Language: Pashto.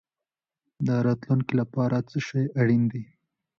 د راتلونکي لپاره څه شی اړین دی؟